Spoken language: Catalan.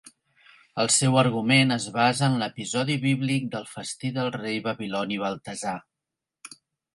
El seu argument es basa en l'episodi bíblic del festí del rei babiloni Baltasar.